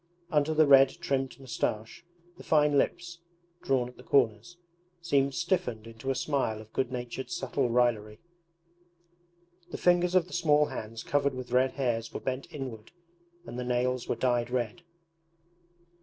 Under the red trimmed moustache the fine lips, drawn at the corners, seemed stiffened into a smile of good natured subtle raillery. The fingers of the small hands covered with red hairs were bent inward, and the nails were dyed red.